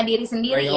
diri sendiri ya